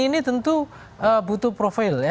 ini tentu butuh profile